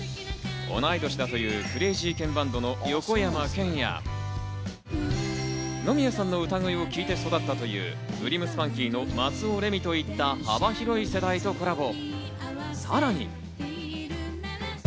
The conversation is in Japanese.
同い年だというクレイジーケンバンドの横山剣や野宮さんの歌声を聴いて育ったというＧＬＩＭＳＰＡＮＫＹの松尾レミといった幅広い世代とコラボ。